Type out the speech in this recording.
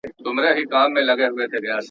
له بي بي سره ملگري سل مينځياني.